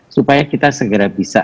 supaya kita segera bisa